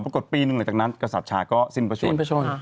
ปรากฏว่าปีหนึ่งหลังจากนั้นกษัตริย์ชาก็สิ้นประชวน